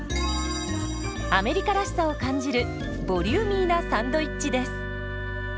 アメリカらしさを感じるボリューミーなサンドイッチです。